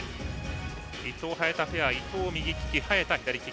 伊藤、早田ペア伊藤、右利き、早田、左利き。